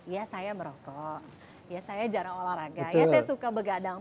ya saya merokok ya saya jarang olahraga ya saya suka begadang